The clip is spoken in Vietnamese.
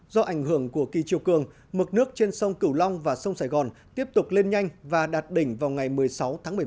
do ảnh hưởng của kỳ chiều cường mực nước trên sông cửu long và sông sài gòn tiếp tục lên nhanh và đạt đỉnh vào ngày một mươi sáu tháng một mươi một